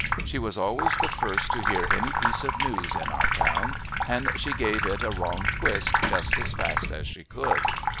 She was always the first to hear any piece of news in our town, and she gave it a wrong twist just as fast as she could.